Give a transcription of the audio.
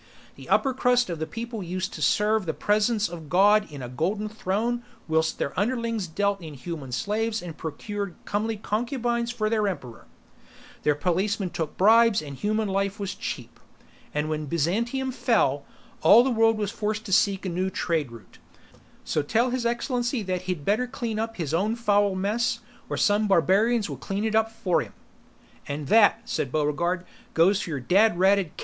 The upper crust of people used to serve the Presence of God in a golden throne whilst their underlings dealt in human slaves and procured comely concubines for the emperor; their policemen took bribes and human life was cheap. And when Byzantium fell, all the world was forced to seek a new trade route. So tell His Excellency that he'd better clean up his own foul mess, or some barbarians will clean it up for him." "And that," said Buregarde, "goes for your dad ratted cat!"